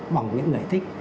bằng những người thích